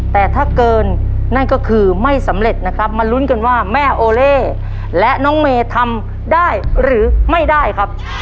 แต่ถ้าเกินนั่นก็คือไม่สำเร็จนะครับมาลุ้นกันว่าแม่โอเล่และน้องเมย์ทำได้หรือไม่ได้ครับ